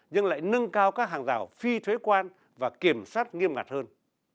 nhưng lại nâng cao các hàng rào phi thuế quan và kiểm soát nghiêm ngặt hơn